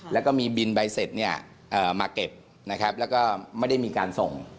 แล้วก็มีบินใบเสร็จมาเก็บนะครับแล้วก็ไม่ได้มีการส่ง